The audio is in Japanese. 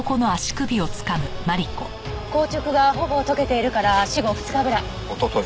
硬直がほぼ解けているから死後２日ぐらい。